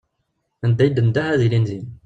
Anda i d-tendeh ad ilin din.